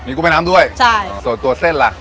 กุ้งแม่น้ำด้วยใช่ส่วนตัวเส้นล่ะ